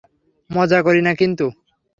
মজা করি না কিন্তু!